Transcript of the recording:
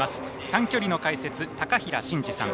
短距離の解説、高平慎士さん。